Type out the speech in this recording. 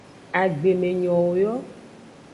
Agbemenyowo yo.